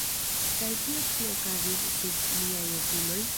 Kaj tio ĉi okazis sub miaj okuloj?